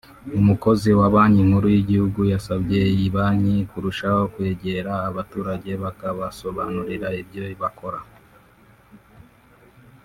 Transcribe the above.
umukozi wa Banki Nkuru y’Igihugu yasabye iyi banki kurushaho kwegera abaturage bakabasobanurira ibyo bakora